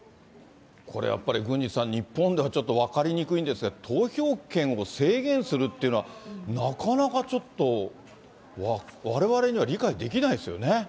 これやっぱり、郡司さん、日本ではちょっと分かりにくいんですが、投票権を制限するっていうのは、なかなかちょっとわれわれには理解できないですよね。